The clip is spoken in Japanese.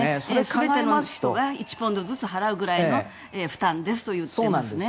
全ての人が１ポンドずつ払うぐらいの負担ですと言っていますね。